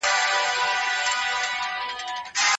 که تاسو روغ یاست، نو د خپل صحت قدر پوه شئ.